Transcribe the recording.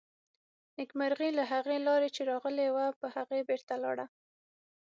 نېکمرغي له هغې لارې چې راغلې وه، په هغې بېرته لاړه.